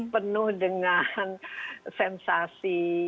penuh dengan sensasi